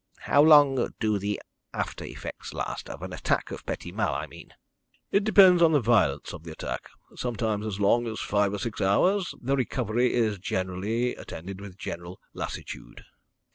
"How long do the after effects last of an attack of petit mal, I mean." "It depends on the violence of the attack. Sometimes as long as five or six hours. The recovery is generally attended with general lassitude."